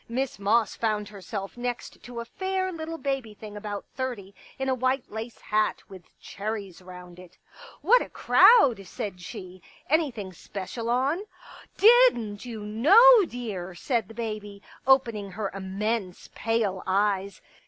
Miss Moss fourKl herself next to a fair little baby thing about thirty in a white lace hat with cherries round it. " What a crowd !" said she. " Anything special on?" Didn't you know, dear ?" said the baby, opening her immense pale eyes.